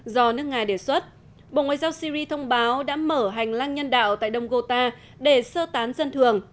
bộ ngoại giao syria thông báo đã mở hành lăng nhân đạo tại đông gota để sơ tán dân thường